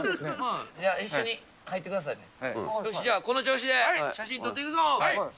よしっ、じゃあ、この調子で写真撮っていくぞ。